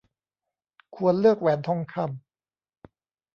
ควรเลือกแหวนทองคำ